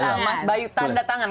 mas bayu tanda tangan